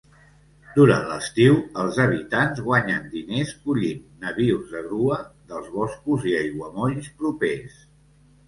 Durant l'estiu, els habitants guanyen diners collint nabius de grua dels boscos i aiguamolls propers.